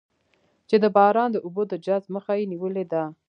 چې د باران د اوبو د جذب مخه یې نېولې ده.